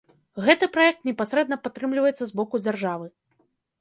Гэты праект непасрэдна падтрымліваецца з боку дзяржавы.